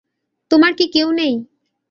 তোমার কি কেউ নেই?